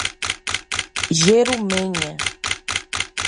Jerumenha